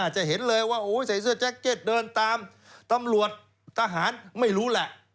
จะเห็นเลยว่าใส่เสื้อแจ็คเก็ตเดินตามตำรวจทหารไม่รู้แหละ